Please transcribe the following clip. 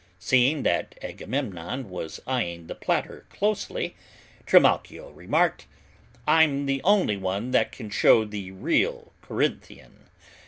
Seeing that Agamemnon was eyeing the platter closely, Trimalchio remarked, "I'm the only one that can show the real Corinthian!"